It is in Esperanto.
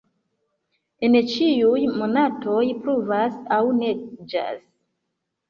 En ĉiuj monatoj pluvas aŭ neĝas.